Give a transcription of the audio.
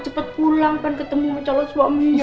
cepat pulang kan ketemu sama calon suaminya